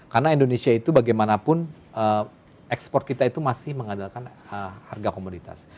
karena indonesia itu bagaimanapun ekspor kita itu masih mengandalkan harga komoditas